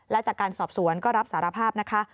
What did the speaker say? และจากการสอบสวนก็รับสารภาพนะคะ